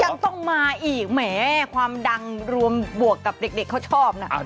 ยังต้องมาอีกแหมความดังรวมบวกกับเด็กเขาชอบนะ